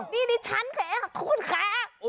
นี่ดิฉันค่ะคุณคะ